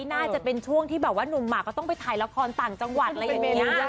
น่าจะเป็นช่วงที่นุ่มหมักเติมไปถ่ายละครต่างจังหวัด